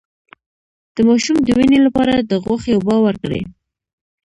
د ماشوم د وینې لپاره د غوښې اوبه ورکړئ